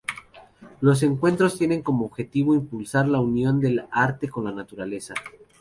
Los encuentros tienen como objetivo impulsar la unión del arte con la naturaleza.